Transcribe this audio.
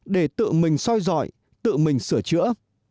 để tự mình soi dọi tự mình sửa chữa